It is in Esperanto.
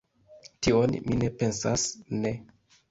Tion mi ne pensas, ne!